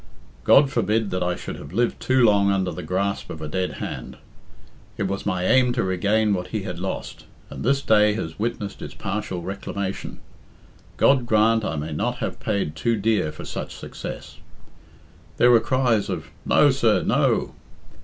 God forbid that I should have lived too long under the grasp of a dead hand. It was my aim to regain what he had lost, and this day has witnessed its partial reclamation. God grant I may not have paid too dear for such success." There were cries of "No, sir, no."